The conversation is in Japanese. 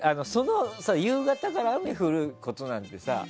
夕方から雨降ることなんてさ。